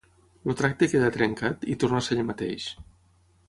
El tracte queda trencat, i torna a ser ell mateix.